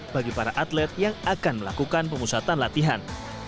bagi para atlet yang akan melakukan pemusatan latihan